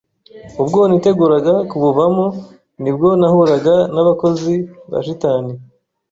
Ubwo niteguraga kubuvamo nibwo nahuraga n’abakozi ba Shitani.